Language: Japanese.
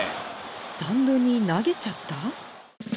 スタンドに投げちゃった？